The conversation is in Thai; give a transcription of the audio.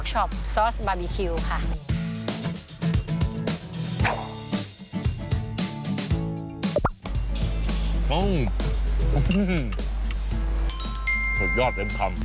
เฉพาะยอดเป็นคำ